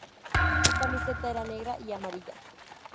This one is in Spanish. Su camiseta era negra y amarilla.